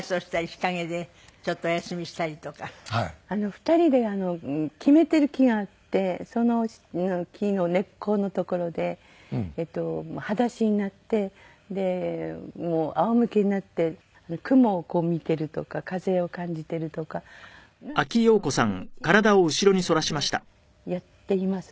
２人で決めてる木があってその木の根っこの所で裸足になってもう仰向けになって雲をこう見てるとか風を感じてるとか毎日ねやっていますね。